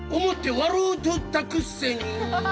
笑うとったくせに